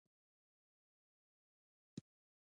د وینې د پاکوالي لپاره عناب وکاروئ